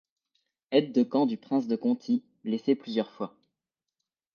Aide de camp du Prince de Conti, blessé plusieurs fois.